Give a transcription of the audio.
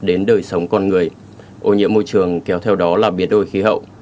đến đời sống con người ô nhiễm môi trường kéo theo đó là biến đổi khí hậu